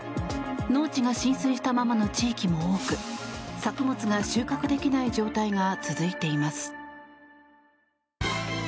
農地が浸水したままの地域も多く作物が収穫できない状態が続いています。